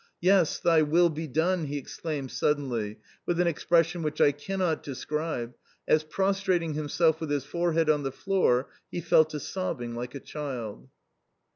"Yes, Thy will be done!" he exclaimed suddenly, with an expression which I cannot describe, as, prostrating himself with his forehead on the floor, he fell to sobbing like a child.